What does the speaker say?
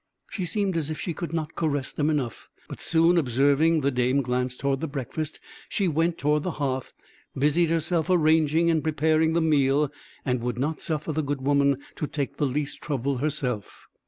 She seemed as if she could not caress them enough; but soon, observing the dame glance toward the breakfast, she went toward the hearth, busied herself arranging and preparing the meal, and would not suffer the good woman to take the least trouble herself.